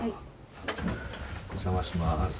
お邪魔します。